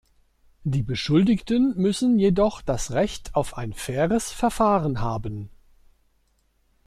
Die Beschuldigten müssen jedoch das Recht auf ein faires Verfahren haben.